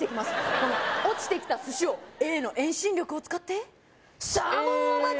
この落ちてきた寿司をＡの遠心力を使ってＡ．サーモンお待ち！